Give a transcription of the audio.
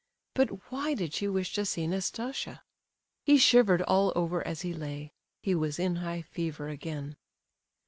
But why did she wish to see Nastasia? He shivered all over as he lay; he was in high fever again.